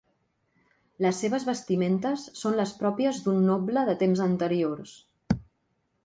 Les seves vestimentes són les pròpies d'un noble de temps anteriors.